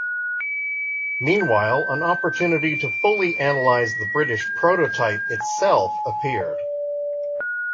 Meanwhile, an opportunity to fully analyze the British prototype itself appeared.